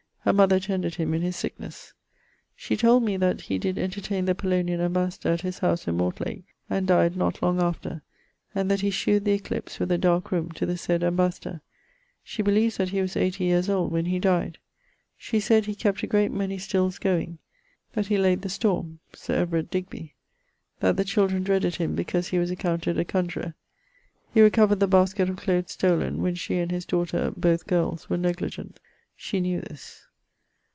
Her mother tended him in his sicknesse. She told me that he did entertain the Polonian ambassador at his howse in Mortlak, and dyed not long after; and that he shewed the eclipse with a darke roome to the said ambassador[LIX.]. She beleeves that he was eightie years old when he dyed. She sayd, he kept a great many stilles goeing. That he layd the storme Sir Everard Digby. That the children dreaded him because he was accounted a conjurer. He recovered the basket of cloathes stollen, when she and his daughter (both girles) were negligent: she knew this.